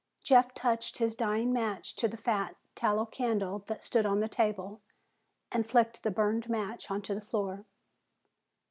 Jeff touched his dying match to the fat tallow candle that stood on the table and flicked the burned match onto the floor.